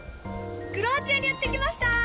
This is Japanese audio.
クロアチアにやってきました。